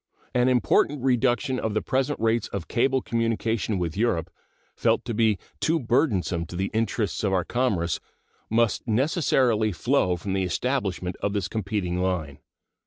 An important reduction of the present rates of cable communication with Europe, felt to be too burdensome to the interests of our commerce, must necessarily flow from the establishment of this competing line.